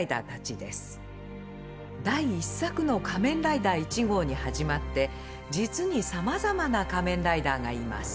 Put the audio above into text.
第１作の仮面ライダー１号に始まって実にさまざまな仮面ライダーがいます。